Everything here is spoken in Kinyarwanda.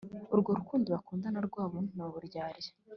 Urwo rukundo bakundana rwabo ni uburyarya